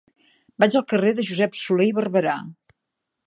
Vaig al carrer de Josep Solé i Barberà.